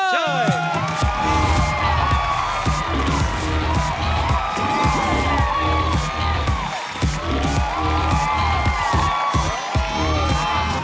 เชิญ